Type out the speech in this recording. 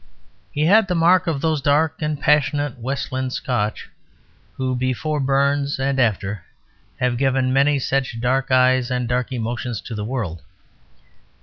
He had the mark of those dark and passionate Westland Scotch, who before Burns and after have given many such dark eyes and dark emotions to the world.